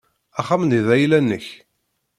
Axxam-nni d ayla-nnek.